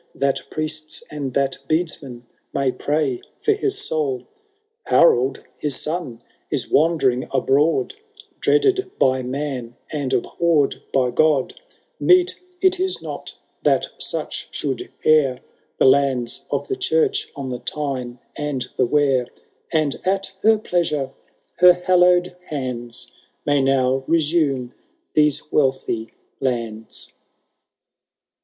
That priests and that beadsmen may pray for his soul : Harold his son is wandering abroad. Dreaded by man and abhorr'd by God ; I 180 HAROLD THB DAUNTLB88. CantO I. Meet it is not, that such should heir The lands of the church on the Tyne and the Wear, And at her pleasure, her hallow'd hands May now resume these wealthy lands/ »f XXI.